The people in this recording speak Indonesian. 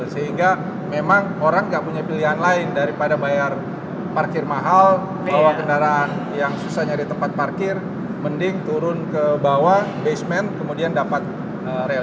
sehingga memang orang nggak punya pilihan lain daripada bayar parkir mahal bawa kendaraan yang susah nyari tempat parkir mending turun ke bawah basement kemudian dapat rel